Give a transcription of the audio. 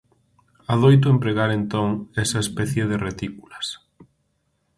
Adoito empregar entón esa especie de retículas.